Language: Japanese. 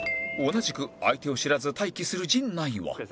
同じく相手を知らず待機する陣内は